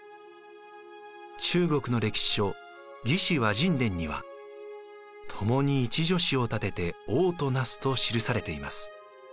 中国の歴史書「魏志」倭人伝には「共に一女子を立てて王となす」と記されています。